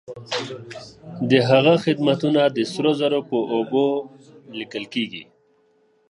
د هغه خدمتونه د سرو زرو په اوبو ليکل کيږي.